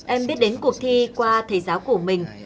em biết đến cuộc thi qua thầy giáo của mình